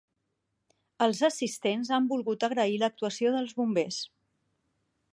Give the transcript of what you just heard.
Els assistents han volgut agrair l'actuació dels bombers.